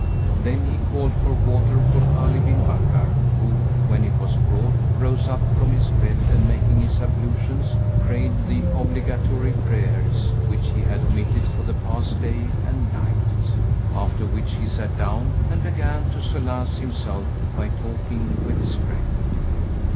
Then he called for water for Ali bin Bakkar who, when it was brought, rose up from his bed and making his ablutions, prayed the obligatory prayers which he had omitted for the past day and night[FN#194]; after which he sat down and began to solace himself by talking with his friend.